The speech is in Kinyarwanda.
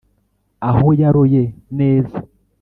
Aho yaroye neza